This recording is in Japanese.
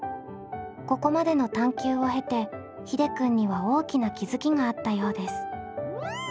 ここまでの探究を経てひでくんには大きな気付きがあったようです。